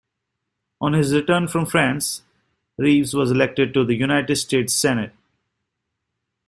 On his return from France, Rives was elected to the United States Senate.